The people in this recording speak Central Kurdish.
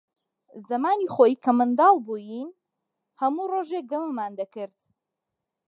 زەمانی خۆی کە منداڵ بووین، هەموو ڕۆژێ گەمەمان دەکرد.